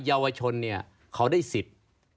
เยาวชนเนี่ยเขาได้สิทธิ์